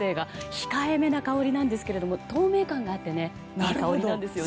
控えめな香りなんですが透明感があっていい香りなんですよね。